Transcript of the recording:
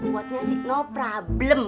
buatnya sih no problem